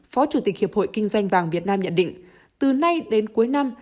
phó chủ tịch hiệp hội kinh doanh vàng việt nam nhận định từ nay đến cuối năm